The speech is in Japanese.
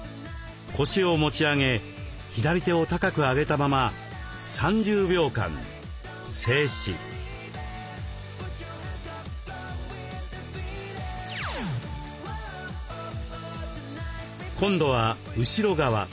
腰を持ち上げ左手を高く上げたまま今度は後ろ側。